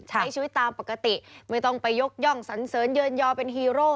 ใช้ชีวิตตามปกติไม่ต้องไปยกย่องสันเสริญเยินยอเป็นฮีโร่